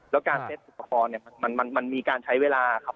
แล้วการเซฟสุดท้อนมันมีการใช้เวลาครับ